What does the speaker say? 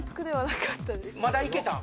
まだいけたん？